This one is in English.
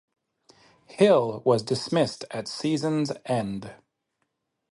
Hill was dismissed at season's end.